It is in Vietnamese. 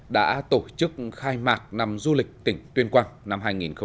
đã tổ chức khai mạc năm du lịch tỉnh tuyên quang năm hai nghìn hai mươi